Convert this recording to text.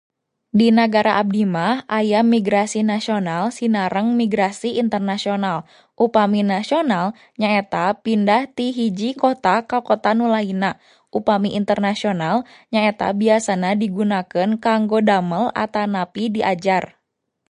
Di nagara abdi mah, aya migrasi nasional sinareng migrasi internasional, upami nasional nyaeta pindah ti hiji kota ka kota nu lainna, upami internasional nyaeta biasana digunakeun kanggo damel atanapi diajar.